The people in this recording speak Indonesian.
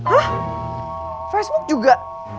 hah facebook juga